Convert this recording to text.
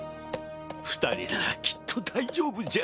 二人ならきっと大丈夫じゃ。